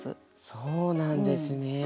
そうなんですね。